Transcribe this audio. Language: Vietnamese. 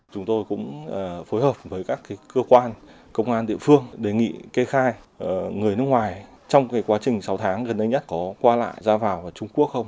chúng tôi cũng phối hợp với các cơ quan công an địa phương đề nghị kê khai người nước ngoài trong quá trình sáu tháng gần đây nhất có qua lại ra vào trung quốc không